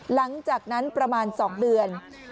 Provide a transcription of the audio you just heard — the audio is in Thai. หลังจากนั้นประมาณ๒เดือน